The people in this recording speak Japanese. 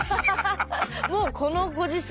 もうこのご時世。